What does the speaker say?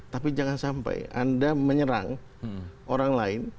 tapi jangan sampai anda menyerang orang lain